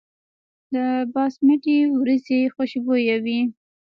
د باسمتي وریجې خوشبويه وي.